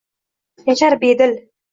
Yashar bedil